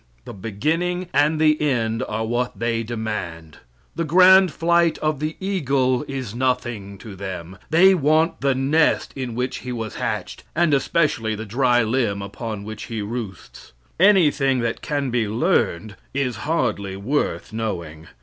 The beginning and the end are what they demand. The grand flight of the eagle is nothing to them. They want the nest in which he was hatched, and especially the dry limb upon which he roosts. Anything that can be learned is hardly worth knowing.